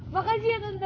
makasih ya tante